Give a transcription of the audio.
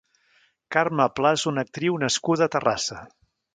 Carme Pla és una actriu nascuda a Terrassa.